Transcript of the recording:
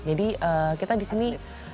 jadi kita disini